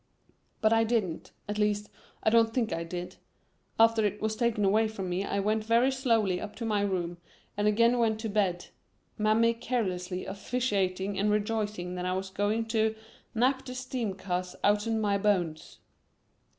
But I didn't; at least, I don't think I did. After it was taken away from me I went very slowly up to my room and again went to bed, Mammy caressingly officiating and rejoicing that I was going to "nap the steam cars outen my bones."